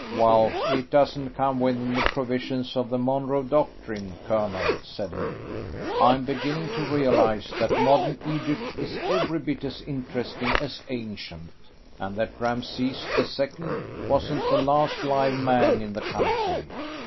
"Well, it doesn't come within the provisions of the Monroe Doctrine, Colonel," said he. "I'm beginning to realise that modern Egypt is every bit as interesting as ancient, and that Rameses the Second wasn't the last live man in the country."